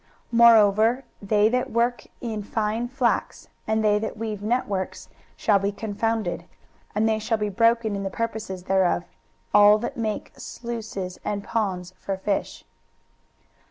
23:019:009 Moreover they that work in fine flax, and they that weave networks, shall be confounded. 23:019:010 And they shall be broken in the purposes thereof, all that make sluices and ponds for fish.